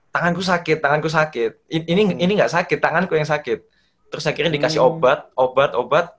tanganku sakit tanganku sakit ini enggak sakit tanganku yang sakit terus akhirnya dikasih obat obat obat